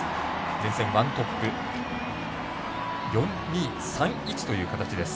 前線はトップ４‐２‐３‐１という形です。